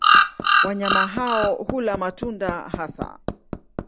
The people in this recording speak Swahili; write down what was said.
Wanyama hao hula matunda hasa.